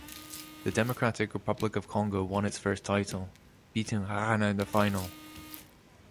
The Democratic Republic of Congo won its first title, beating Ghana in the final.